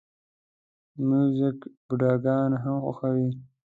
موزیک بوډاګان هم خوښوي.